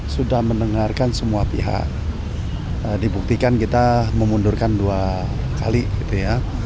sudah mendengarkan semua pihak dibuktikan kita memundurkan dua kali